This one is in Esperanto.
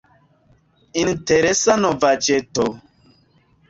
Interesa novaĵeto.